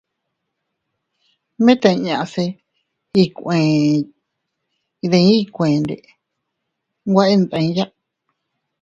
Mit inña se iykuee ndi kuende nwe iydiya.